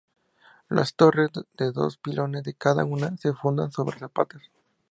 Las torres, de dos pilones cada una, se fundan sobre zapatas.